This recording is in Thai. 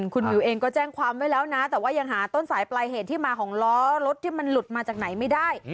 คุณหมิวเองก็แจ้งความไว้แล้วนะแต่ว่ายังหาต้นสายปลายเหตุที่มาของล้อรถที่มันหลุดมาจากไหนไม่ได้